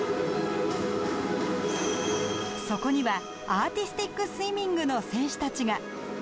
そこには、アーティスティックスイミングの選手たちが。